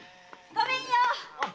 ごめんよっ！